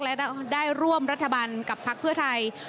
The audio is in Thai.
และได้ร่วมรัฐบาลกับพักเพื่อไทย